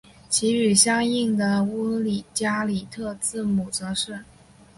与其相对应的乌加里特字母则是。